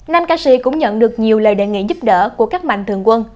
nam ca sĩ cũng nhận được nhiều lời đề nghị giúp đỡ của các mạnh thường quân